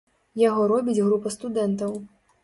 Яго робіць група студэнтаў.